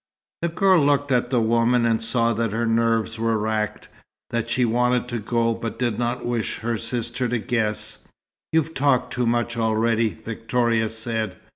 The girl looked at the woman, and saw that her nerves were racked; that she wanted to go, but did not wish her sister to guess. "You've talked too much already," Victoria said.